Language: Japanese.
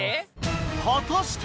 果たして？